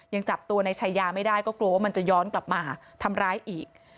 ยังจับตัวในชายาไม่ได้ก็กลัวว่ามันจะย้อนกลับมาทำร้ายอีก